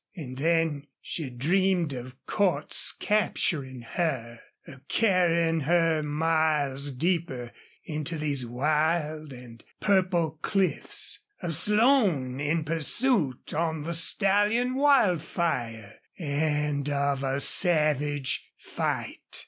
And then she dreamed of Cordts capturing her, of carrying her miles deeper into these wild and purple cliffs, of Slone in pursuit on the stallion Wildfire, and of a savage fight.